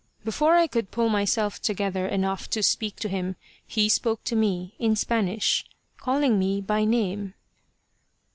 Before I could pull myself together enough to speak to him, he spoke to me, in Spanish, calling me by name.